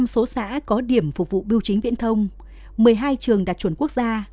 một trăm linh số xã có điểm phục vụ biểu chính viễn thông một mươi hai trường đạt chuẩn quốc gia